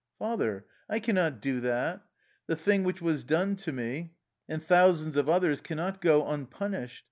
'^" Father, I can not do that. The thing which was done to me and thousands of others can not go unpunished.